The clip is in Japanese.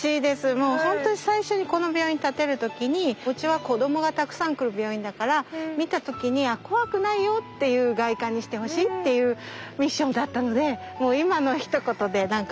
もう本当に最初にこの病院建てる時にうちは子どもがたくさん来る病院だから見た時に「怖くないよ」っていう外観にしてほしいっていうミッションだったのでもう今のひと言で何かホッとしました。